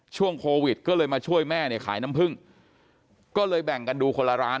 ช่วงโควิดก็เลยมาช่วยแม่เนี่ยขายน้ำผึ้งก็เลยแบ่งกันดูคนละร้าน